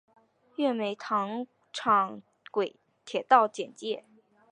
月眉糖厂铁道简介